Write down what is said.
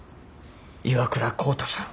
岩倉浩太さん